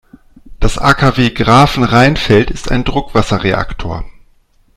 Das AKW Grafenrheinfeld ist ein Druckwasserreaktor.